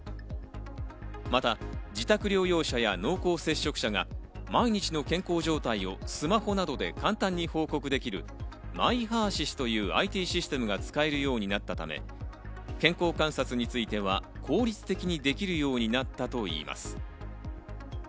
また自宅療養者や濃厚接触者が毎日の健康状態をスマホなどで簡単に報告できるマイハーシースというＩＴシステムが使えるようになったため、健康観察については効率的にできるようになったといいます。